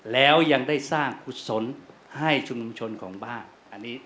แล้วยังได้นอกคุดสนให้ชุมชนของบ้าง